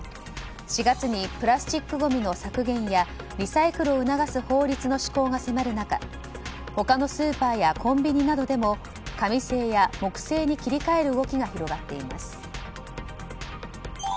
４月にプラスチックごみの削減やリサイクルを促す法律の施行が迫る中他のスーパーやコンビニなどでも紙製や木製に切り替える動きが広がっています。